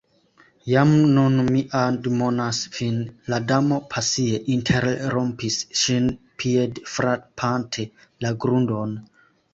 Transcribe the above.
"Jam nun mi admonas vin," la Damo pasie interrompis ŝin, piedfrapante la grundon